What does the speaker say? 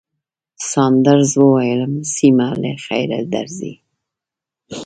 ساندرز وویل، سېمه، له خیره درځئ.